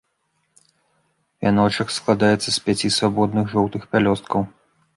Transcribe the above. Вяночак складаецца з пяці свабодных жоўтых пялёсткаў.